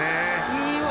いいわ。